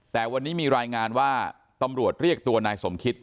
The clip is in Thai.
แต่วันนี้มีรายงานว่าตำรวจเรียกตัวนายสมคิต